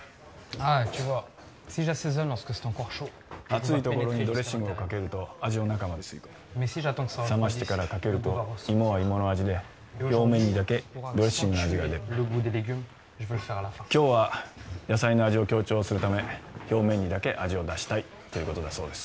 熱いところにドレッシングをかけると味を中まで吸い込む冷ましてからかけると芋は芋の味で表面にだけドレッシングの味が出る今日は野菜の味を強調するため表面にだけ味を出したいということだそうです